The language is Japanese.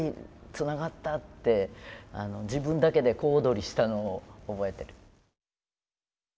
つながった！って自分だけで小躍りしたのを覚えてる。